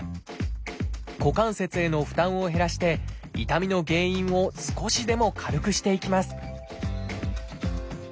股関節への負担を減らして痛みの原因を少しでも軽くしていきます